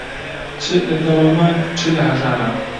چ لە دەوڵەمەن، چ لە هەژاران